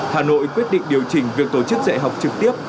hà nội quyết định điều chỉnh việc tổ chức dạy học trực tiếp